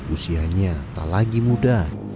usianya tak lagi muda